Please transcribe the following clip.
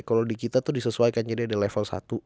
kalau di kita tuh disesuaikan jadi ada level satu